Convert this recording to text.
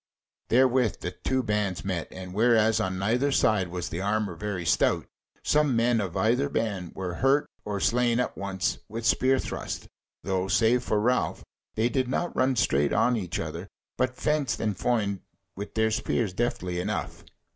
Therewith the two bands met, and whereas on neither side was the armour very stout, some men of either band were hurt or slain at once with spearthrust; though, save for Ralph, they did not run straight on each other; but fenced and foined with their spears deftly enough.